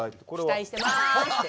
期待してますって。